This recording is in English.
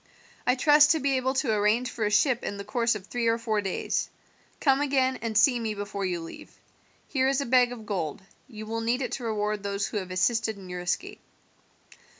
I trust to be able to arrange for a ship in the course of three or four days. Come again and see me before you leave. Here is a bag of gold; you will need it to reward those who have assisted in your escape."